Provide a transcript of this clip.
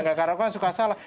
enggak karena aku suka salah